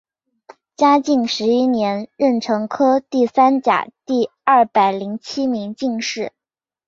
嘉靖十一年壬辰科第三甲第二百零七名进士。